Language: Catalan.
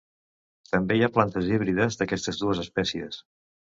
També hi ha plantes híbrides d'aquestes dues espècies.